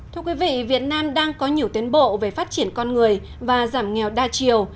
thưa quý vị việt nam đang có nhiều tiến bộ về phát triển con người và giảm nghèo đa chiều